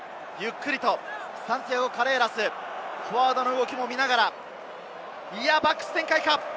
ゆっくりとサンティアゴ・カレーラス、フォワードの動きも見ながら、バックス展開か？